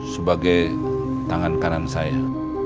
sebagai tangan kanan saya